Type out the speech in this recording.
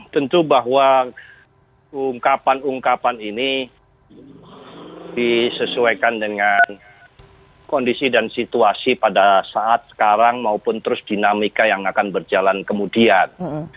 tentu bahwa ungkapan ungkapan ini disesuaikan dengan kondisi dan situasi pada saat sekarang maupun terus dinamika yang akan berjalan kemudian